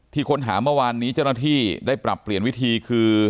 ค้นหาเมื่อวานนี้เจ้าหน้าที่ได้ปรับเปลี่ยนวิธีคือ